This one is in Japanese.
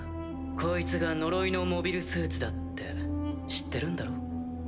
こいつが呪いのモビルスーツだって知ってるんだろ？